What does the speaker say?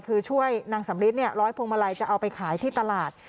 คือช่วยนางสำริดร้อยพวงมาลัยจะเอาไปขายที่ตลาด